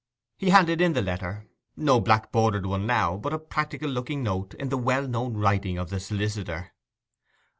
He handed in the letter—no black bordered one now, but a practical looking note in the well known writing of the solicitor.